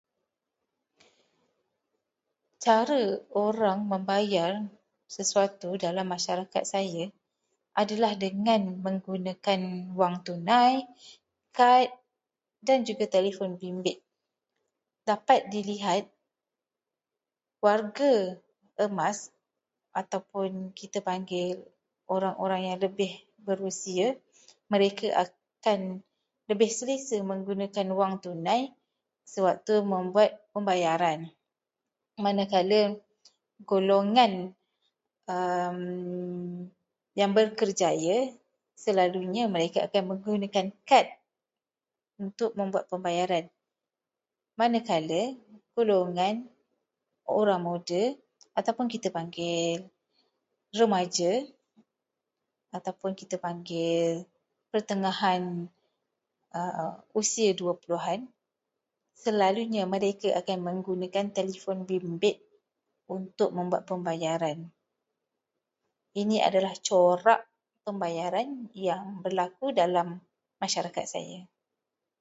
Cara orang membayar sesuatu dalam masyarakat saya adalah dengan menggunakan wang tunai, kad dan juga telefon bimbit. Dapat dilihat warga emas ataupun kita panggil orang-orang yang lebih berusia, mereka akan lebih selesa menggunakan wang tunai sewaktu membuat pembayaran. Manakala, golongan yang berkerjaya selalunya mereka akan menggunakan kad untuk membuat pembayaran. Manakala, golongan orang muda, ataupun kita panggil remaja, ataupun kita panggil pertengahan usia dua puluhan, selalunya mereka akan menggunakan telefon bimbit untuk membuat pembayaran. Ini adalah corak pembayaran yang berlaku dalam masyarakat saya.